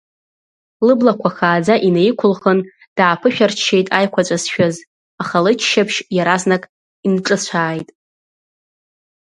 Лыблақәа хааӡа инеиқәылхын, дааԥышәырччеит аиқәаҵәа зшәыз, аха лыччаԥшь иаразнак инҿыцәааит.